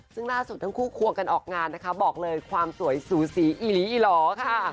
ซึ่งล่าสุดทั้งคู่ควงกันออกงานนะคะบอกเลยความสวยสูสีอีหลีอีหล่อค่ะ